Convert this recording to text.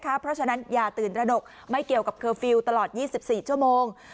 เพราะฉะนั้นอย่าตื่นตระหนกไม่เกี่ยวกับเคอร์ฟิลล์ตลอด๒๔ชั่วโมง